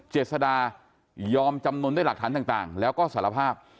เจษดายอมจำนวนด้วยหลักฐานต่างแล้วก็สารภาพ